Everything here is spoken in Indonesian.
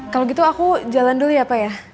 kalau gitu aku jalan dulu ya pak ya